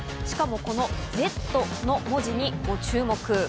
しかも、このＺの文字にご注目。